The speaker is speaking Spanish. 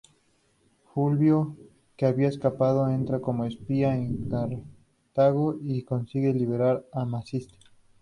Fulvio, que había escapado, entra como espía en Cartago y consigue liberar a Maciste.